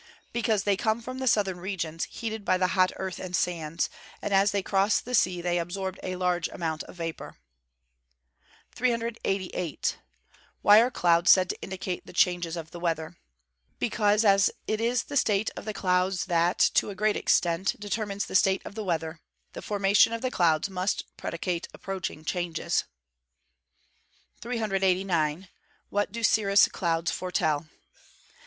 _ Because they come from the southern regions, heated by the hot earth and sands, and as they cross the sea they absorb a large amount of vapour. [Illustration: Fig. 9. CUMULO STRATUS, OR TWAIN CLOUD.] 388. Why are clouds said to indicate the changes of the weather? Because, as it is the state of the clouds that, to a great extent, determines the state of the weather, the formation of the clouds must predicate approaching changes. 389. _What do cirrus clouds foretell?